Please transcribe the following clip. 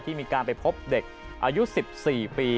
มีการไปพบเด็กอายุ๑๔ปี